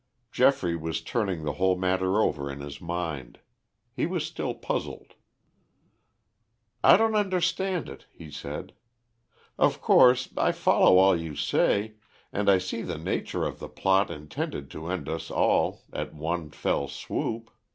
Geoffrey was turning the whole matter over in his mind. He was still puzzled. "I don't understand it," he said. "Of course, I follow all you say, and I see the nature of the plot intended to end us all at one fell swoop.